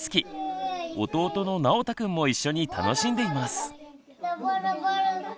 弟のなおたくんも一緒に楽しんでいます。